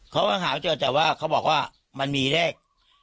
เขามาหาึ่งเจอเดี๋ยวเขาบอกว่ามันมีเลข